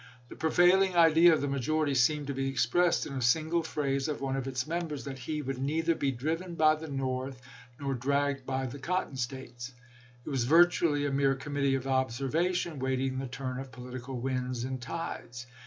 The prevailing idea of the majority seemed to be expressed in a single phrase of one of its members, that " he would neither be driven by the North nor dragged by the Cotton States." It was virtually a mere committee of observation, waiting the turn of political winds and tides.